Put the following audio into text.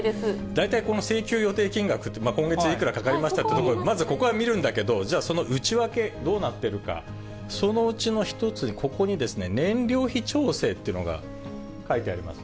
大体この請求予定金額って、今月いくらかかりましたってところは、まずここは見るんだけど、じゃあ、その内訳、どうなってるか、そのうちの一つ、ここに燃料費調整というのが書いてあります。